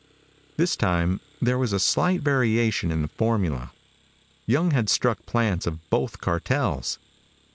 This time there was a slight variation in the formula. Young had struck plants of both cartels.